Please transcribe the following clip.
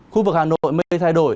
khu vực hà nội mây thay đổi